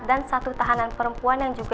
dan satu tahanan perempuan yang juga